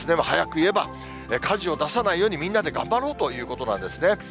早く言えば、火事を出さないようにみんなで頑張ろうということなんですね。